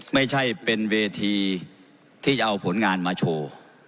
ไม่ใช่เป็นเวทีที่จะเอาผลงานมาโชว์